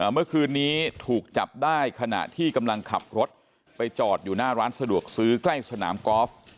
เมื่อคืนนี้ถูกจับได้ขณะที่กำลังขับรถไปจอดอยู่หน้าร้านสะดวกซื้อใกล้สนามกอล์ฟ